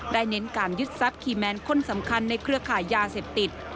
เน้นการยึดทรัพย์คีย์แมนคนสำคัญในเครือขายยาเสพติด